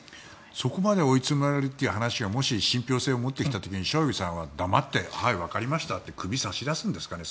そこまで追いつめられるという話が信ぴょう性を持ってきた時にショイグさんは黙ってはいわかりましたって首を差し出すんですかね。